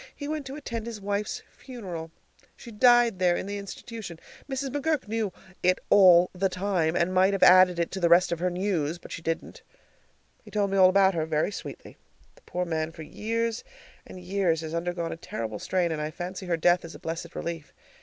He went to attend his wife's funeral. She died there in the institution. Mrs. McGurk knew it all the time, and might have added it to the rest of her news, but she didn't. He told me all about her, very sweetly. The poor man for years and years has undergone a terrible strain, and I fancy her death is a blessed relief.